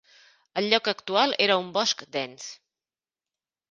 El lloc actual era un bosc dens.